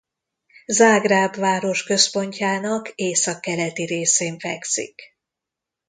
Zágráb városközpontjának északkeleti részén fekszik.